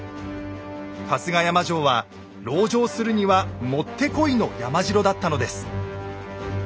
春日山城は籠城するには持って来いの山城だったのです。